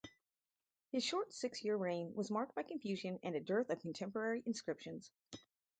His short six-year reign was marked by confusion and a dearth of contemporary inscriptions.